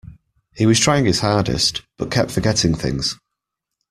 He was trying his hardest, but kept forgetting things.